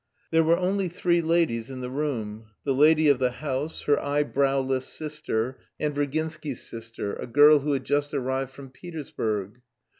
There were only three ladies in the room: the lady of the house, her eyebrowless sister, and Virginsky's sister, a girl who had just arrived from Petersburg.